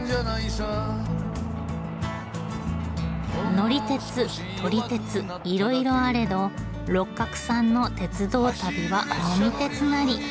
乗り鉄撮り鉄いろいろあれど六角さんの鉄道旅は呑み鉄なり。